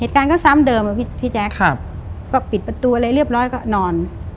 เหตุการณ์ก็ซ้ำเดิมอะพี่พี่แจ๊คครับก็ปิดประตูอะไรเรียบร้อยก็นอน